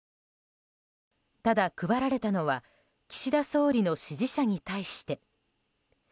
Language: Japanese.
ただ、配られたのは岸田総理の支持者に対して。